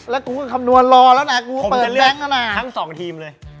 แล้วกูก็คำนวณรอแล้วนะกูเปิดแล็งขนาดทั้งสองทีมเลย